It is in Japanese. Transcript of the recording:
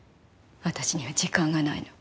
私には時間がないの。